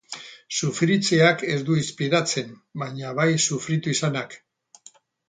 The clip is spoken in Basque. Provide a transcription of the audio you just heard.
Sufritzeak ez du inspiratzen, baina bai sufritu izanak.